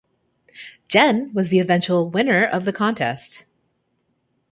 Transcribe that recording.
Jen was the eventual winner of thecontest.